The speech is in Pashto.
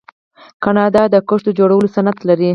کاناډا د کښتیو جوړولو صنعت لري.